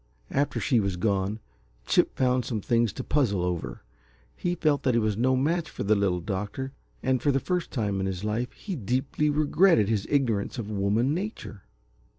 After she was gone, Chip found some things to puzzle over. He felt that he was no match for the Little Doctor, and for the first time in his life he deeply regretted his ignorance of woman nature.